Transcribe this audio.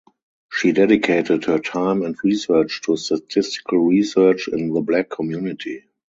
She dedicated her time and research to statistical research in the black community.